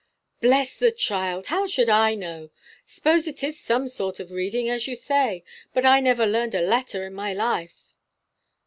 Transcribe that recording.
"Bless the child, how should I know? S'pose it is some sort of reading, as you say; but I never learned a letter in my life."